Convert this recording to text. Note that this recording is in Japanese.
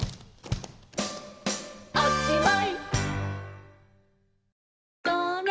「おしまい！」